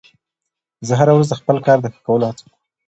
زه هره ورځ د خپل کار د ښه کولو هڅه کوم